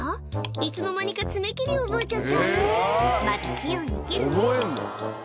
いつの間にか爪切り覚えちゃったまた器用に切るね覚えんの？